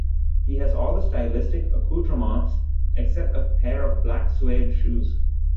He has all the stylistic accoutrements, except a pair of black suede shoes.